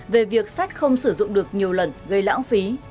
về việc sách không sử dụng được nhiều lần gây lãng phí